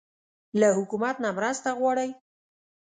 له حکومت نه مرسته غواړئ؟